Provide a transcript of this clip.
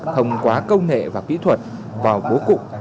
thông quá công nghệ và kỹ thuật vào bố cụ